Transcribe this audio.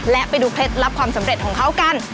และไปดูเคล็ดลับความสำเร็จของเขากัน